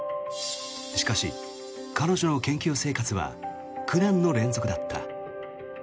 しかし、彼女の研究生活は苦難の連続だった。